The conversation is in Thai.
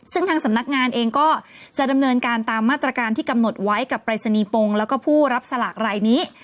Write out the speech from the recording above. ซึ่งทางสำนักงานเองก็จะดำเนินการตามมาตรการที่กำหนดไว้กับปรายศนีย์ปงแล้วก็ผู้รับสลากรายนี้